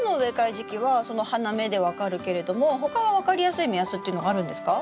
時期はその花芽で分かるけれども他は分かりやすい目安っていうのがあるんですか？